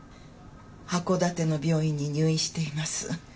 函館の病院に入院しています。